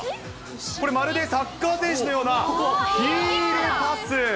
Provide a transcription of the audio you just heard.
これ、まるでサッカー選手のようなヒールパス。